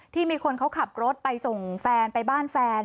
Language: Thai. มีคนเขาขับรถไปส่งแฟนไปบ้านแฟน